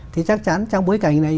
thì chắc chắn trong bối cảnh này